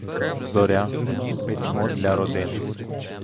Зоря, письмо для родин.